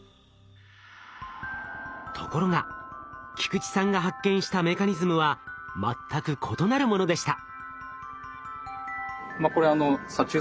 ところが菊池さんが発見したメカニズムは全く異なるものでした。